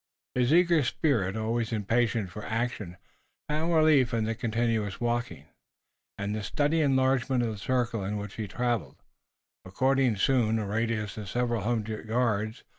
His eager spirit, always impatient for action, found relief in the continuous walking, and the steady enlargement of the circle in which he traveled, acquiring soon a radius of several hundred yards.